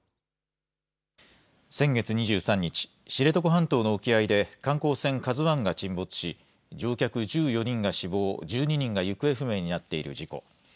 先月２３日、知床半島の沖合で観光船ＫＡＺＵＩが沈没し乗客１４人が死亡、１２人が行方不明になっている事故。